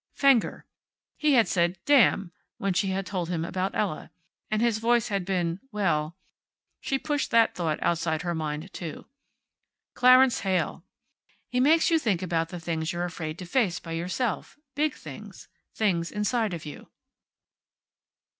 Fenger. He had said, "Damn!" when she had told him about Ella. And his voice had been well she pushed that thought outside her mind, too.... Clarence Heyl.... "He makes you think about things you're afraid to face by yourself. Big things. Things inside of you...."